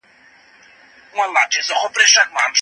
باوري سرچینې له ناڅرګندو هغو څخه ډېرې ګټورې دي.